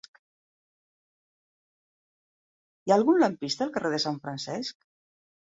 Hi ha algun lampista al carrer de Sant Francesc?